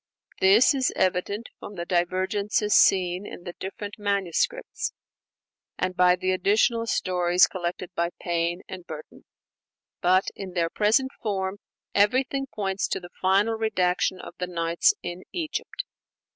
This is evident from the divergences seen in the different manuscripts, and by the additional stories collected by Payne and Burton. But in their present form, everything points to the final redaction of the 'Nights' in Egypt.